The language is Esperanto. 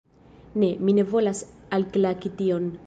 Ne, mi ne volas alklaki tion!